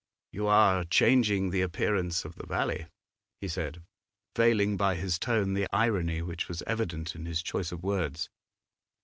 'You are changing the appearance of the valley,' he said, veiling by his tone the irony which was evident in his choice of words.